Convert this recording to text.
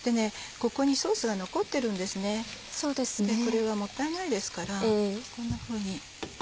これはもったいないですからこんなふうに。